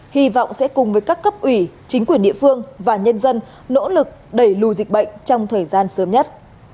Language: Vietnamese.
hy vọng sẽ cùng với các cấp ủy chính quyền địa phương và nhân dân nỗ lực đẩy lùi dịch bệnh trong thời gian sớm nhất